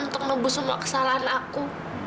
untuk nebus semua kesalahan aku